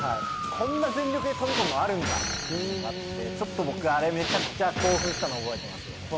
こんな全力で飛び込むこともあるんだっていうのがあってちょっと僕あれめちゃくちゃ興奮したのを覚えてますね。